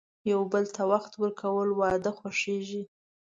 یو بل ته وخت ورکول، واده خوږوي.